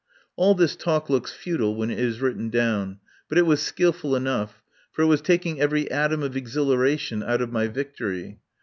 All this talk looks futile when it is written down, but it was skilful enough, for it was taking every atom of exhilaration out of my victory.